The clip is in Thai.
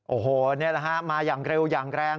โอ้โหนี่แหละฮะมาอย่างเร็วอย่างแรง